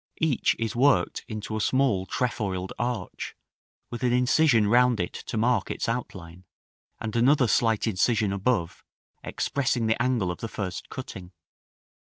Each is worked into a small trefoiled arch, with an incision round it to mark its outline, and another slight incision above, expressing the angle of the first cutting.